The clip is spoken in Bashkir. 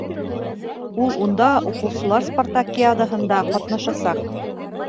Ул унда уҡыусылар спартакиадаһында ҡатнашасаҡ.